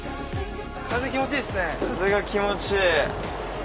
風が気持ちいい！